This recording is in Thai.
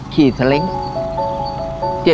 ขีดสลิงค์